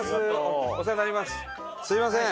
すみません。